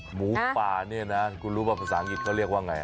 หมูป่าเนี่ยนะคุณรู้ว่าภาษาอังกฤษเขาเรียกว่าไง